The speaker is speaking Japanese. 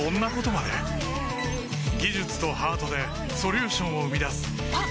技術とハートでソリューションを生み出すあっ！